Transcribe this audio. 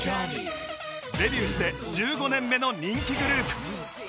デビューして１５年目の人気グループ Ｈｅｙ！